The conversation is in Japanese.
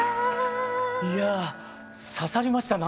いやぁ刺さりました